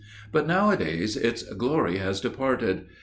But nowadays its glory has departed.